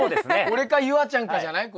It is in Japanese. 俺か夕空ちゃんかじゃない？